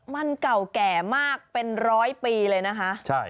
มันเก่าแก่มากเป็นร้อยปีเลยนะคะ